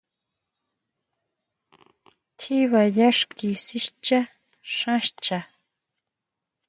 Tjiba yá ski sischa xán xchá.